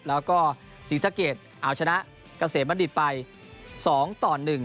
แล้วก็ศรีสะเกดเอาชนะเกษมบัณฑิตไป๒ต่อ๑